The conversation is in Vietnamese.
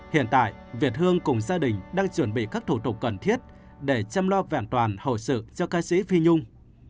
hiện tại việt hương cùng gia đình đang chuẩn bị các thủ tục cần thiết để chăm lo vẹn toàn hậu sự cho ca sĩ phi nhung